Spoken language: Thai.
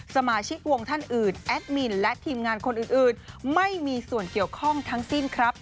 สมาชิกวงท่านอื่นแอดมินและทีมงานคนอื่นไม่มีส่วนเกี่ยวข้องทั้งสิ้นครับ